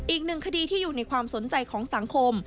อีกหนึ่งคดีที่อยู่ในความสนใจของสังคม